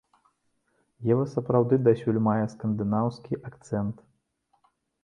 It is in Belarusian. Ева сапраўды дасюль мае скандынаўскі акцэнт.